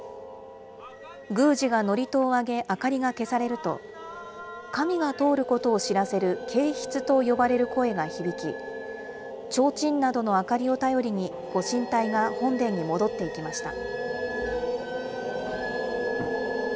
宮司が祝詞をあげ、明かりが消されると、神が通ることを知らせる警蹕と呼ばれる声が響き、ちょうちんなどの明かりを頼りに、ご神体が本殿に戻っていきました。